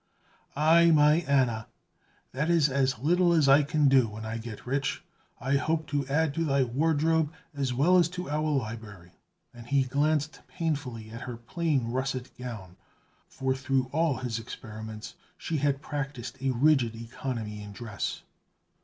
"Aye, my Anna, that is as little as I can do; when I get rich, I hope to add to thy wardrobe, as well as to our library;" and he glanced painfully at her plain russet gown, for through all his experiments she had practiced a rigid economy in dress.